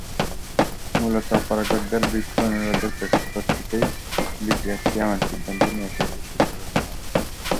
মূলত অপারেটরদের অনুরোধের পরিপ্রেক্ষিতেই বিটিআরসি এমন সিদ্ধান্ত নিয়েছে বলে সূত্রে জানা গেছে।